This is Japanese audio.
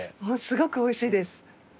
すごくおいしいです。